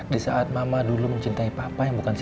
di saat mama dulu mencintai papa yang bukan saya